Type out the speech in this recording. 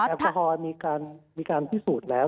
แอลกอฮอล์มีการพิสูจน์แล้ว